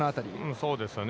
そうですよね。